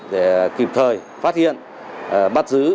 để kịp thời phát hiện bắt giữ